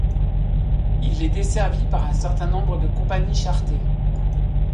Il est desservi par un certain nombre de compagnies charter.